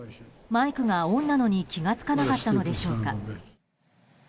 マイクがオンなのに気がつかなったのでしょうか。